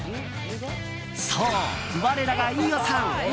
そう、我らが飯尾さん。